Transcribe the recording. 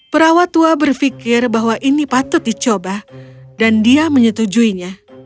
perawat tua berpikir bahwa ini patut dicoba dan dia menyetujuinya